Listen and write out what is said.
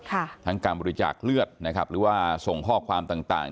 ทั้งการบริจาคเลือดนะครับหรือว่าส่งข้อความต่างต่าง